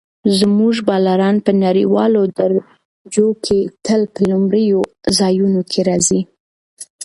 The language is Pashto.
زموږ بالران په نړیوالو درجو کې تل په لومړیو ځایونو کې راځي.